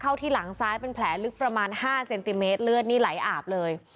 ที่หลังซ้ายเป็นแผลลึกประมาณ๕เซนติเมตรเลือดนี่ไหลอาบเลย